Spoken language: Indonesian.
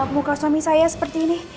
muka suami saya seperti ini